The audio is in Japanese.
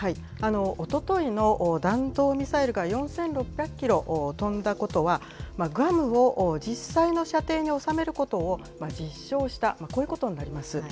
おとといの弾道ミサイルが４６００キロ飛んだことは、グアムを実際の射程に収めることを実証した、こういうことになります。